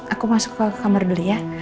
aku masuk ke kamar dulu ya